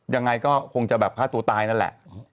ยังไงก็คงจะแบบฆ่าตัวตายนั่นแหละ